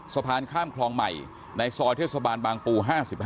สะพานข้ามคลองใหม่ในซอยเทศบาลบางปู๕๕